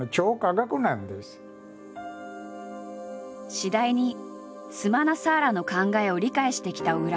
次第にスマナサーラの考えを理解してきた小倉。